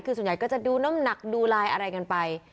คือส่วนใหญ่ก็จะดูน้ำหนักดูลายอะไรกันไป